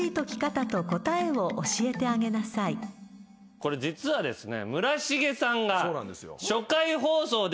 これ実はですね。